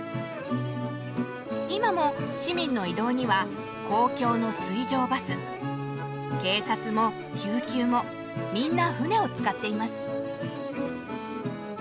今も市民の移動には公共の水上バス警察も救急もみんな船を使っています。